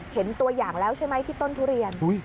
เห็นตัวอย่างแล้วใช่ไหมที่ต้นทุเรียน